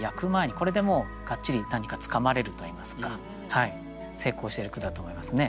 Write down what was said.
これでもうがっちり何かつかまれるといいますか成功している句だと思いますね。